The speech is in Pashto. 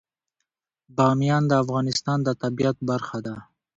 بامیان د افغانستان د طبیعت برخه ده.